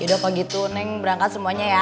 yaudah kalau gitu neng berangkat semuanya ya